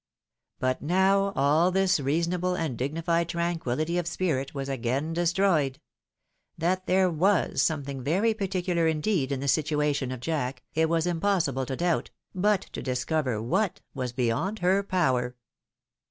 But now all tliis reasonable and dignified tranquillity of spirit was again destroyed I That there was something very par ticular indeed in the situation of Jack, it was impossible to doubt, but to discover what was beyond her power.